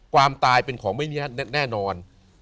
ความตายเป็นของไม่เนี่ยแน่นอน